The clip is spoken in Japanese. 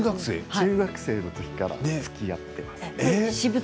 中学生のころからつきあっています。